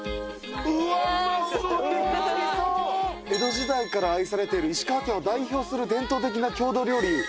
江戸時代から愛されている石川県を代表する伝統的な郷土料理。